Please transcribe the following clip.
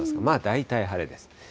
まあ大体晴れです。